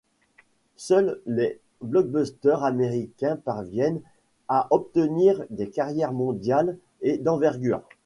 Seuls les blockbusters américains parviennent à obtenir des carrières mondiales et d'envergure.